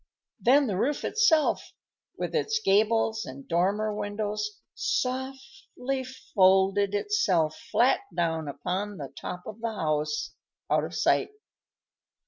Then the roof itself, with its gables and dormer windows, softly folded itself flat down upon the top of the house, out of sight.